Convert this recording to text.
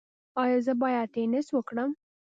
ایا زه باید ټینس وکړم؟